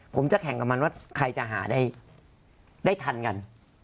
ผมจะแข่งกับมันว่าใครจะหาได้ทันกัน